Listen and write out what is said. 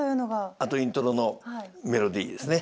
あとイントロのメロディーですね